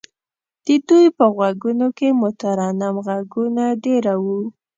د دوی په غوږونو کې مترنم غږونه دېره وو.